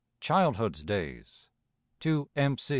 CHILDHOOD'S DAYS. TO M.